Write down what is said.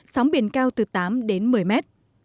sóng biển cao từ tám đến một mươi mét